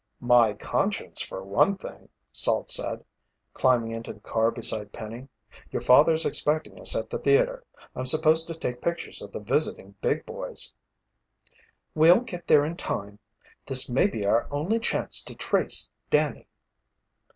"My conscience for one thing," Salt said, climbing into the car beside Penny. "Your father's expecting us at the theater. I'm supposed to take pictures of the visiting big boys." "We'll get there in time. This may be our only chance to trace Danny."